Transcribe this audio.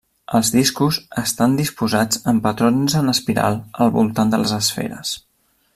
Els discos estan disposats en patrons en espiral al voltant de les esferes.